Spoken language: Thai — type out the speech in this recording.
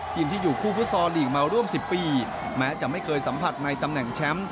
ที่อยู่คู่ฟุตซอลลีกมาร่วม๑๐ปีแม้จะไม่เคยสัมผัสในตำแหน่งแชมป์